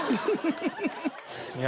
いや